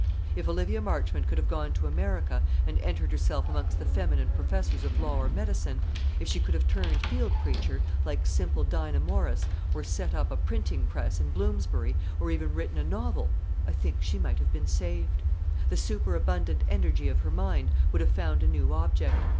If Olivia Marchmont could have gone to America, and entered herself amongst the feminine professors of law or medicine, if she could have turned field preacher, like simple Dinah Morris, or set up a printing press in Bloomsbury, or even written a novel, I think she might have been saved. The superabundant energy of her mind would have found a new object.